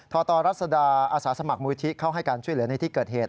ทรตรัศดาอาสาสมัครมูลที่เข้าให้การช่วยเหลือในที่เกิดเหตุ